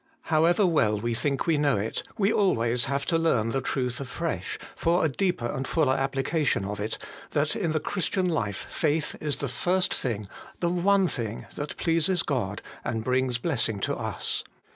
How ever well we think we know it, we always have to learn the truth afresh, for a deeper and fuller application of it, that in the Christian life faith is the first thing, the one thing that pleases God, and brings blessing to us.